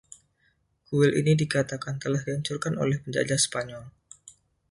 Kuil ini dikatakan telah dihancurkan oleh penjajah Spanyol.